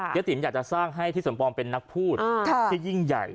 ติ๋มอยากจะสร้างให้ทิศสมปองเป็นนักพูดที่ยิ่งใหญ่